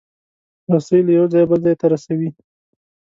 رسۍ له یو ځایه بل ځای ته رسوي.